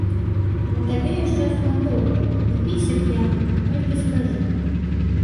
На табе яшчэ залатоўку, напіся п'яным, толькі скажы.